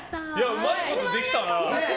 うまいことできたな。